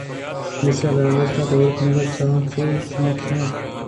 پمیشالاگے سرا دئور کنگ ءِ چانچ ءُ پانچ ءَ اَت